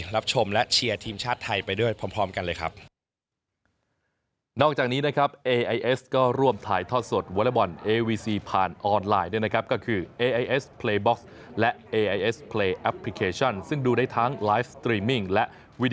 รับชมและเชียร์ทีมชาติไทยไปด้วยพร้อมกันเลยครับ